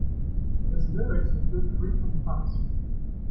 His lyrics include frequent puns.